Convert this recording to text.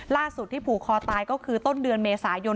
ล่าสุดที่ผูกคอตายก็คือต้นเดือนเมษายน